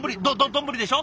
丼でしょ？